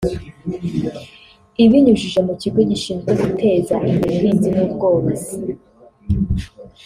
Ibinyujije mu kigo gishinzwe guteza imbere ubuhinzi n’ubworozi